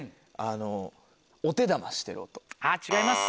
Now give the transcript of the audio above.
違います。